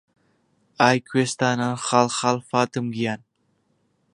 ئای کوێستانان خاڵ خاڵ فاتم گیان